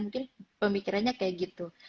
mungkin pemikirannya kayak gitu